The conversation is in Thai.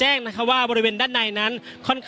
อย่างที่บอกไปว่าเรายังยึดในเรื่องของข้อ